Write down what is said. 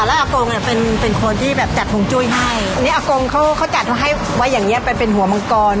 อักงมีเคยให้เคล็ดอะไรบ้างไหม